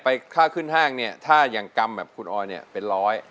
ค่าขึ้นห้างเนี่ยถ้าอย่างกรรมแบบคุณออยเนี่ยเป็นร้อย